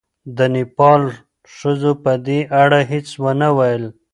د نېپال ښځو په دې اړه هېڅ ونه ویل.